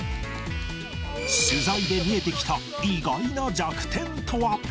取材で見えてきた意外な弱点とは。